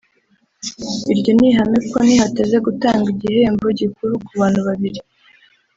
iryo ni ihame kuko ntihateze gutangwa igihembo gikuru ku bantu babiri